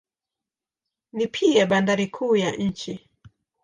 Ni pia bandari kuu ya nchi.